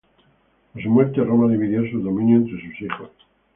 A su muerte Roma dividió sus dominios entre sus hijos.